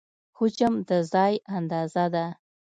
حجم د ځای اندازه ده.